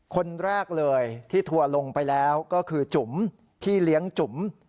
คนแรกเลยที่ทัวร์ลงไปแล้วก็คือจุ๋มพี่เลี้ยงจุ๋ม